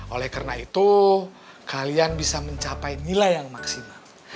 oleh karena itu kalian bisa mencapai nilai yang maksimal